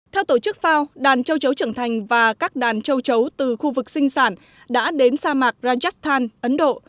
theo tổ chức fao đàn châu chấu trưởng thành và các đàn châu chấu từ khu vực sinh sản đã đến sa mạc rajakthan ấn độ